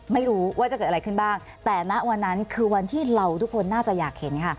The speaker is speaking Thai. ไม่รู้ว่าจะเกิดอะไรขึ้นบ้างแต่ณวันนั้นคือวันที่เราทุกคนน่าจะอยากเห็นค่ะ